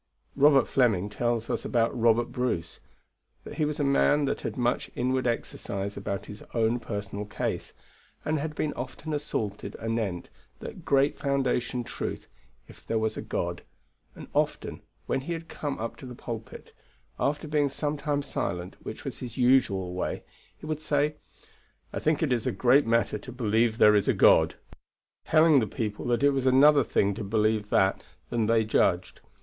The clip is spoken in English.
Robert Fleming tells us about Robert Bruce, that he was a man that had much inward exercise about his own personal case, and had been often assaulted anent that great foundation truth, if there was a God. And often, when he had come up to the pulpit, after being some time silent, which was his usual way, he would say, "I think it is a great matter to believe there is a God"; telling the people that it was another thing to believe that than they judged.